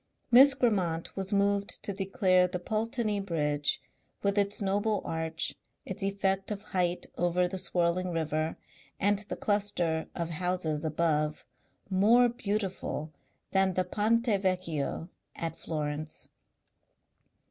Miss Grammont was moved to declare the Pulteney Bridge, with its noble arch, its effect of height over the swirling river, and the cluster of houses above, more beautiful than the Ponte Vecchio at Florence.